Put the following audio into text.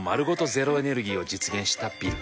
ゼロエネルギーを実現したビル。